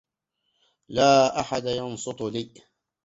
لا احد ينصت لي.